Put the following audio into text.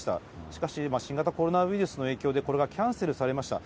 しかし新型コロナウイルスの影響でこれがキャンセルされました。